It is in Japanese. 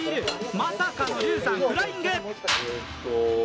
まさかの劉さんフライング。